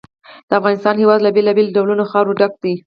د افغانستان هېواد له بېلابېلو ډولونو خاوره ډک دی.